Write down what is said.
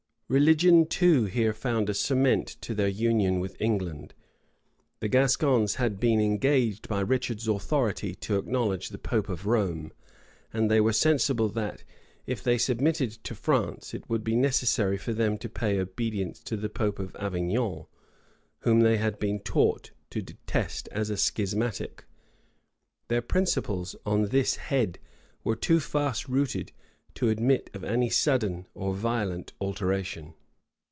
Religion too was here found a cement to their union with England. The Gascons had been engaged by Richard's authority to acknowledge the pope of Rome; and they were sensible that, if they submitted to France, it would be necessary for them to pay obedience to the pope of Avignon, whom they had been taught to detest as a schismatic. Their principles on this head were too fast rooted to admit of any sudden or violent alteration.